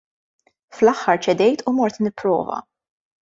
Fl-aħħar ċedejt u mort nipprova.